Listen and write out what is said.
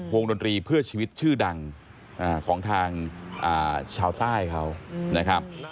ดนตรีเพื่อชีวิตชื่อดังของทางชาวใต้เขานะครับ